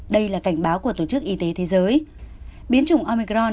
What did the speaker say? đây là cảnh báo của tổ chức y tế thế giới